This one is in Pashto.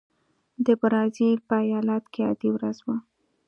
د برازیل په ایالت کې عادي ورځ وه.